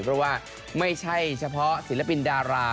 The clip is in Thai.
เพราะว่าไม่ใช่เฉพาะศิลปินดารา